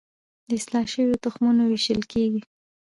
د اصلاح شویو تخمونو ویشل کیږي